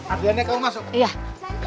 ardiannya kamu masuk